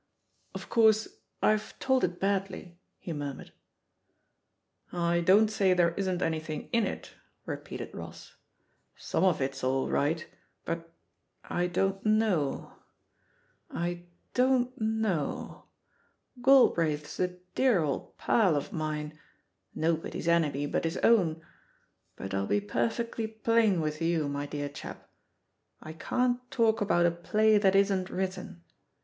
"Of course, I've told it badly," he murmured. "I don't say there isn't anything in it," re peated Ross ; "some of it's all right, but — I don't know — I don't know — Galbraith's a dear old pal of mine, nobody's enemy but his own — ^but I'll be 120 THE POSITION OF PEGGY HARPER perfectly plain with you, my dear chap. I can't talk about a play that isn*t written.